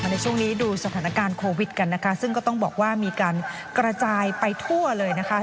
ในช่วงนี้ดูสถานการณ์โควิดกันนะคะซึ่งก็ต้องบอกว่ามีการกระจายไปทั่วเลยนะคะ